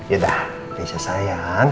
yaudah keisha sayang